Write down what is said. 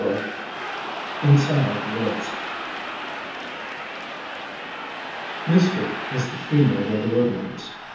IV IN SILENT WOODS 'YSTERY is the keynote of the wood lands.